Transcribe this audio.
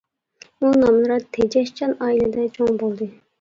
ئۇ نامرات، تېجەشچان ئائىلىدە چوڭ بولدى.